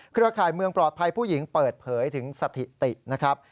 ร่ายเมืองปลอดภัยผู้หญิงเปิดเผยถึงสถิตินะครับ